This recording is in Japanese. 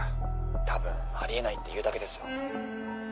多分「あり得ない」って言うだけですよ。